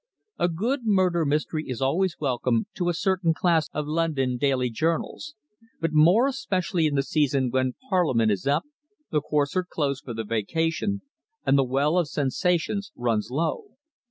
A good murder mystery is always welcome to a certain class of London daily journals, but more especially in the season when Parliament is "up," the Courts are closed for the Vacation, and the well of sensations runs low.